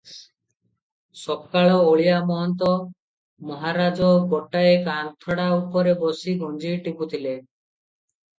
ସକାଳଓଳିଆ ମହନ୍ତ ମହାରାଜ ଗୋଟାଏ କାନ୍ଥଡ଼ା ଉପରେ ବସି ଗଞ୍ଜେଇ ଟିପୁଥିଲେ ।